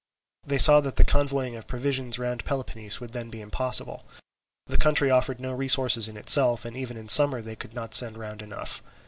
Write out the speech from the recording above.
They saw that the convoying of provisions round Peloponnese would be then impossible. The country offered no resources in itself, and even in summer they could not send round enough.